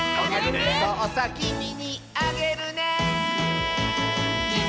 「そうさきみにあげるね」